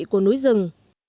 của núi rừng